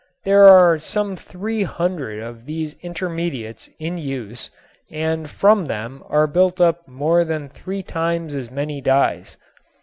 There are some three hundred of these intermediates in use and from them are built up more than three times as many dyes.